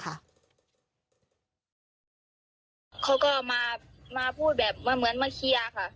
เขาก็มาพูดแบบเหมือนมาเคลียร์ค่ะ